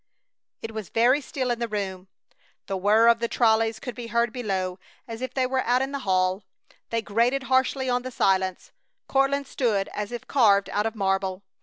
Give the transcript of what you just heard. It was very still in the room. The whir of the trolleys could be heard below as if they were out in the hall. They grated harshly on the silence. Courtland stood as if carved out of marble.